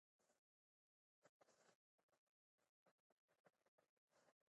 د جګړې برخلیک به بدل سوی وي.